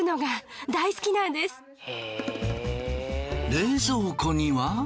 冷蔵庫には。